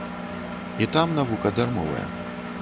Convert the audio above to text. І там навука дармовая.